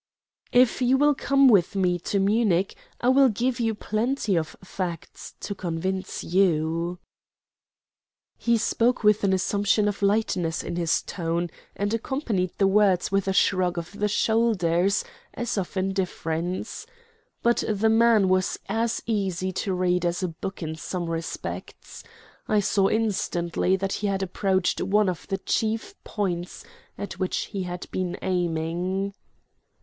"If you will come with me to Munich, I will give you plenty of facts to convince you." He spoke with an assumption of lightness in his tone, and accompanied the words with a shrug of the shoulders, as of indifference. But the man was as easy to read as a book in some respects. I saw instantly that he had approached one of the chief points at which he had been aiming.